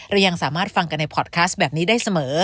เรายังสามารถฟังกันในพอร์ตคัสแบบนี้ได้เสมอ